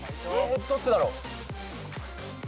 どっちだろう？